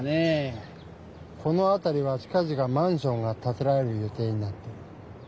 このあたりは近ぢかマンションがたてられる予定になっている。